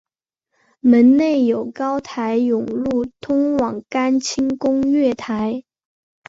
门内有高台甬路通往干清宫月台。